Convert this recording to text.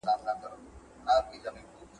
کوچني بدلونونه ګټه لري.